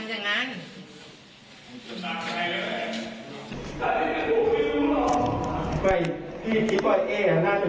พี่ขอโทษกว่าไม่ได้พี่ขอโทษกว่าไม่ได้พี่ขอโทษกว่าไม่ได้